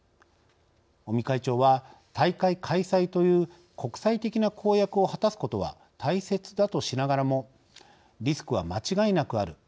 尾身会長は大会開催という国際的な公約を果たすことは大切だとしながらもリスクは間違いなくある。